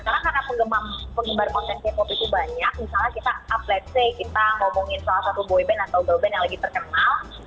nah sekarang karena pengembar konten k pop itu banyak misalnya kita up let's say kita ngomongin salah satu boyband atau girlband yang lagi terkenal